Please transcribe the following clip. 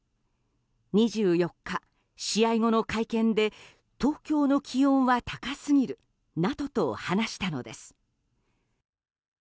２４日、試合後の会見で東京の気温は高すぎるなどと話したのです。